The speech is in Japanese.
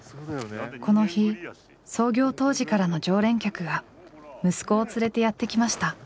この日創業当時からの常連客が息子を連れてやって来ました。